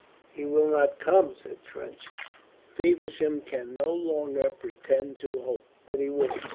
"He will not come," said Trench. Feversham could no longer pretend to hope that he would.